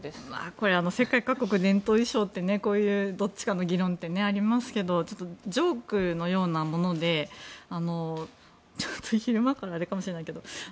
これは、世界各国伝統衣装ってこういうどちらかの議論ってありますけどジョークのようなものでこれは昼間からあれかもしれないけど。